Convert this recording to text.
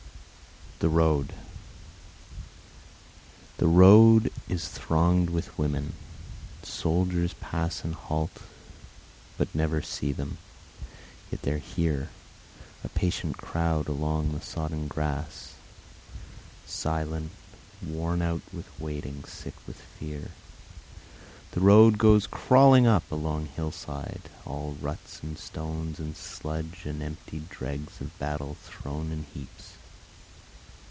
_ THE ROAD The road is thronged with women; soldiers pass And halt, but never see them; yet they're here A patient crowd along the sodden grass, Silent, worn out with waiting, sick with fear. The road goes crawling up a long hillside, All ruts and stones and sludge, and the emptied dregs Of battle thrown in heaps.